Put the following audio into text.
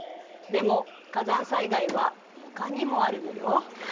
でも火山災害はほかにもあるのよ。